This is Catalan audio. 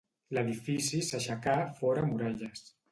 L'edifici s'aixecà fora muralles.